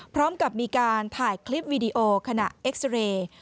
พร้อมกับมีการถ่ายคลิปวีดีโอขณะเอ็กซาเรย์